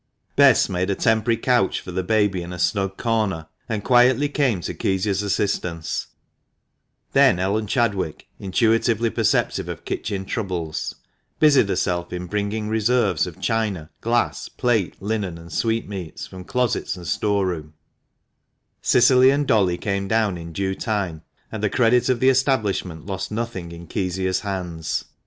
Bess made a temporary couch for the baby in a snug corner, and quietly came to Kezia's assistance; then Ellen Chad wick, intuitively perceptive of kitchen troubles, busied herself in bringing reserves of china, glass, plate, linen, and sweetmeats from closets and store room ; Cicily and Dolly came down in due time ; and the credit of the establishment lost nothing in Kezia's hands, HENRY LIVERSEEGE. From an Engraving. THE MANCHESTER MAN.